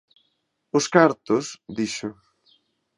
Os cartos! –dixo–.